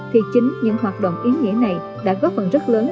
thì chính những hoạt động ý nghĩa này đã góp phần rất lớn